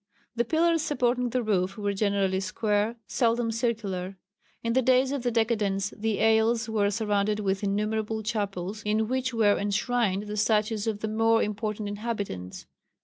The pillars supporting the roof were generally square, seldom circular. In the days of the decadence the aisles were surrounded with innumerable chapels in which were enshrined the statues of the more important inhabitants.